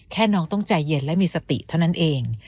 น้องต้องใจเย็นและมีสติเท่านั้นเอง